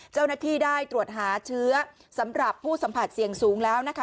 เจ้าหน้าที่ได้ตรวจหาเชื้อสำหรับผู้สัมผัสเสี่ยงสูงแล้วนะคะ